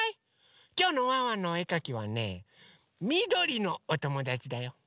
きょうのワンワンのおえかきはねみどりのおともだちだよ。